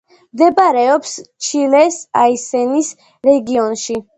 მდებარეობს ჩილეს აისენის რეგიონში.